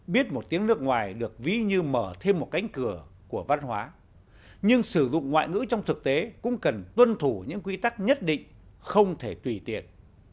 biết một tiếng nước ngoài được ví như mở thêm một cánh cửa của văn hóa nhưng sử dụng ngoại ngữ trong thực tế cũng cần tuân thủ những quy tắc nhất định không thể tùy tiện